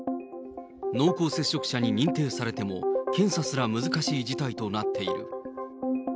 濃厚接触者に認定されても検査すら難しい事態となっている。